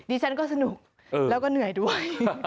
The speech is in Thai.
ฉันก็สนุกแล้วก็เหนื่อยด้วย